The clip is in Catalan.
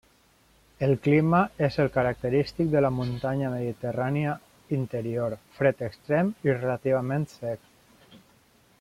El clima és el característic de la muntanya mediterrània interior: fred extrem i relativament sec.